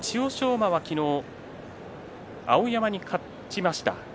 馬は昨日碧山に勝ちました。